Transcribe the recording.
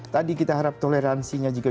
tadi kita harap toleransinya jika